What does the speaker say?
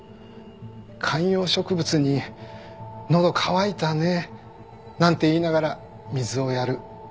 観葉植物に「のど渇いたね」なんて言いながら水をやる。